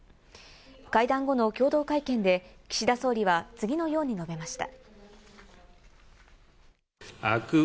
会談後の共同会見で岸田総理は次のように述べました。